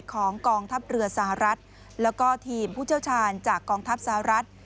กองทัพเรือสหรัฐแล้วก็ทีมผู้เชี่ยวชาญจากกองทัพสหรัฐ